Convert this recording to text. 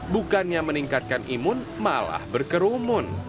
bukannya meningkatkan imun malah berkerumun